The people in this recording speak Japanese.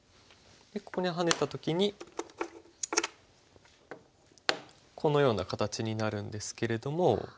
ここにハネた時にこのような形になるんですけれども。